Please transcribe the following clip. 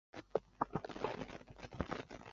在蓝彼得一词。